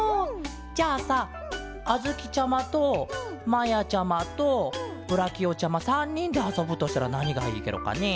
じゃあさあづきちゃまとまやちゃまとブラキオちゃま３にんであそぶとしたらなにがいいケロかね？